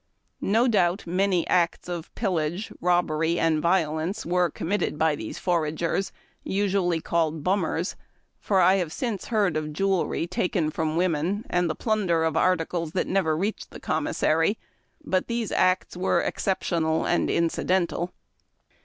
... FOliAGIXG. 241 No doubt, niaii}^ acts of pillage, robbery, and violence were committed by these foragers, usually called 'bummers'; for I have since heard of jewelry taken from women, and the plunder of articles that never reached the commissary ; but these acts were exceptional and incidental.''